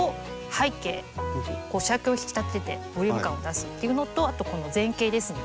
主役を引き立ててボリューム感を出すっていうのとあと前景ですね。